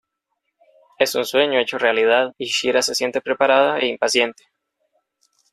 Es un sueño hecho realidad y Shira se siente preparada e impaciente.